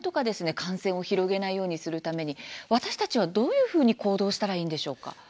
感染を広げないようにするために私たちは、どういうふうに行動したらいいんでしょうか。